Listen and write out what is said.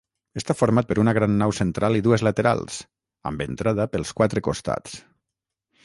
Està format per una gran nau central i dues laterals, amb entrada pels quatre costats.